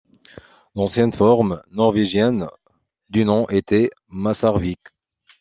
L'ancienne forme norvégienne du nom était Masarvík.